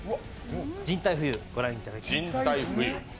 人体浮遊、ご覧いただきます。